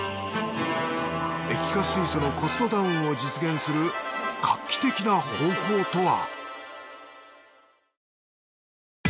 液化水素のコストダウンを実現する画期的な方法とは？